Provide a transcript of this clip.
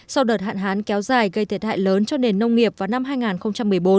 sau đợt hạn hán kéo dài gây thiệt hại lớn cho nền nông nghiệp vào năm hai nghìn một mươi bốn